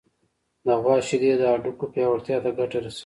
د غوا شیدې د هډوکو پیاوړتیا ته ګټه رسوي.